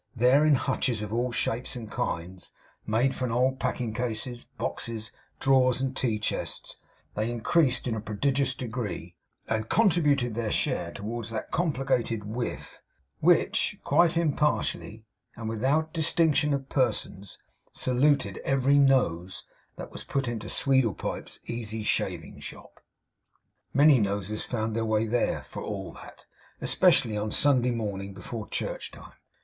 There in hutches of all shapes and kinds, made from old packing cases, boxes, drawers, and tea chests, they increased in a prodigious degree, and contributed their share towards that complicated whiff which, quite impartially, and without distinction of persons, saluted every nose that was put into Sweedlepipe's easy shaving shop. Many noses found their way there, for all that, especially on Sunday morning, before church time.